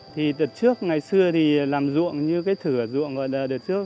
thì đợt trước ngày xưa thì làm ruộng như cái thửa ruộng gọi là đợt trước